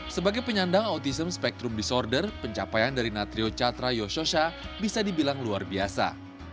sebagai penyandang autism spektrum disorder pencapaian dari natrio catra yososha bisa dibilang luar biasa